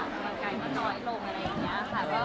มันกลายมาน้อยลงอะไรอย่างเงี้ยค่ะ